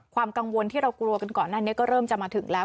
ความกังวลที่เรากลัวกันก่อนหน้านี้ก็เริ่มจะมาถึงแล้ว